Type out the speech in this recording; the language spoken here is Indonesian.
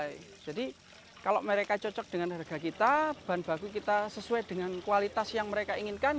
baik jadi kalau mereka cocok dengan harga kita bahan baku kita sesuai dengan kualitas yang mereka inginkan